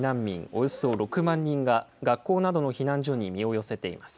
およそ６万人が、学校などの避難所に身を寄せています。